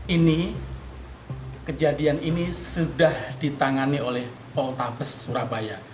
ini kejadian ini sudah ditangani oleh poltabes surabaya